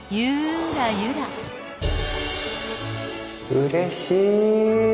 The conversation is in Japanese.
うれしい！